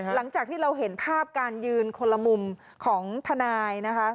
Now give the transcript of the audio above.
หลังจากที่เราเห็นภาพการยืนคนละมุมของทนายนะคะ